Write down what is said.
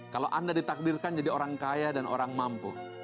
kalau anda ditakdirkan jadi orang kaya dan orang mampu